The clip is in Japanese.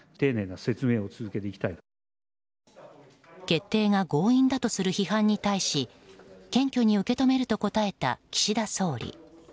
決定が強引だとする批判に対し謙虚に受け止めると答えた岸田総理。